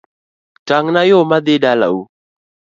Tangna yoo madhi dala u